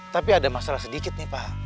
tapi ada masalah sedikit nih pak